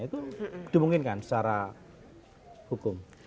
itu dimungkinkan secara hukum